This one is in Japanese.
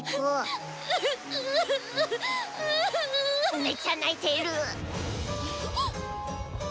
めっちゃ泣いてる。